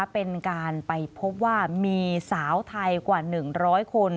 เป็นการไปพบว่ามีสาวไทยกว่า๑๐๐คน